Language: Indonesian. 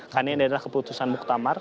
karena ini adalah keputusan muktamar